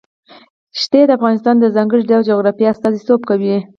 ښتې د افغانستان د ځانګړي ډول جغرافیه استازیتوب کوي.